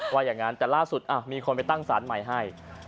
ว่าอย่างนั้นแต่ล่าสุดมีคนไปตั้งสารใหม่ให้